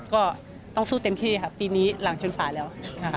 ก็ต้องสู้เต็มที่ค่ะปีนี้หลังชนฝาแล้วนะคะ